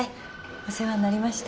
お世話になりました。